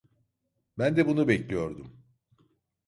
Ben de bunu bekliyordum.